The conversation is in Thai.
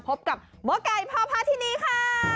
พบกับหมอไก่พพธินีทร์ค่ะ